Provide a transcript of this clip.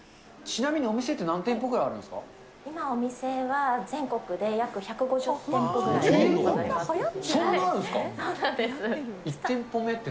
ちなみに、お店って何店舗ぐらい今お店は、全国で約１５０店そんなあるんですか。